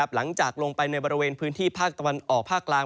หลังจากลงไปในบริเวณพื้นที่ภาคตะวันออกภาคกลาง